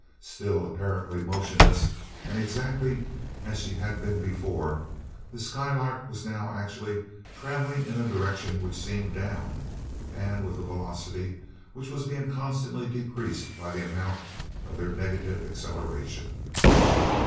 Still apparently motionless and exactly as she had been before, the Skylark was now actually traveling in a direction which seemed "down" and with a velocity which was being constantly decreased by the amount of their negative acceleration.